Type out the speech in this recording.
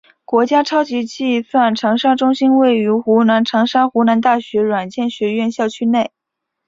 国家超级计算长沙中心位于湖南长沙湖南大学软件学院校区内。